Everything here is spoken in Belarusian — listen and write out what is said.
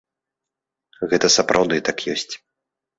Гэта сапраўды так ёсць.